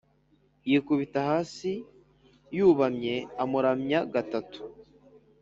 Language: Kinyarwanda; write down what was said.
yikubita hasi yubamye amuramya gatatu